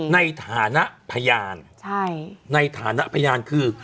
ในฐานะพยานในฐานะพยานคือ